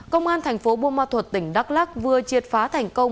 công an thành phố buôn ma thuật tỉnh đắk lắc vừa triệt phá thành công